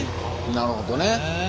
なるほどね。